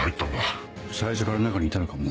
最初から中にいたのかもな。